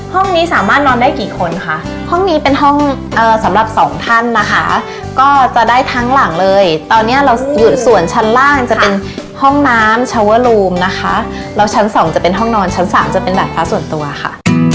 ห้องนี้สามารถนอนได้กี่คนคะห้องนี้เป็นห้องสำหรับสองท่านนะคะก็จะได้ทั้งหลังเลยตอนนี้เราอยู่ส่วนชั้นล่างจะเป็นห้องน้ำชาวเวอร์ลูมนะคะแล้วชั้นสองจะเป็นห้องนอนชั้นสามจะเป็นดาดฟ้าส่วนตัวค่ะ